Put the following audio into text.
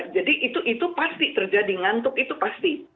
jadi itu pasti terjadi ngantuk itu pasti